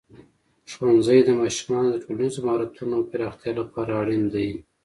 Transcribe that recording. ښوونځی د ماشومانو د ټولنیزو مهارتونو پراختیا لپاره اړین دی.